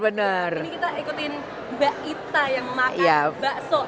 ini kita ikutin mbak itta yang makan bakso